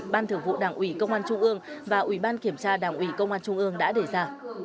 ban thưởng vụ đảng ủy công an trung ương và ủy ban kiểm tra đảng ủy công an trung ương đã đề ra